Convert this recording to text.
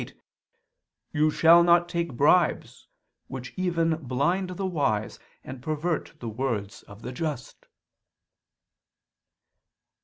'Neither shalt thou'] take bribes, which even blind the wise, and pervert the words of the just."